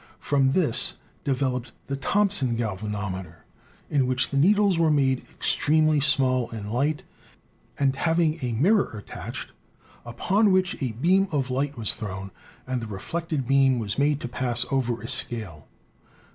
From this developed the Thomson galvanometer, in which the needles were made ex 182 ELECTRICITY tremely small and light and having a mirror attached, upon which a beam of light was thrown, and the re flected beam was made to pass over a scale.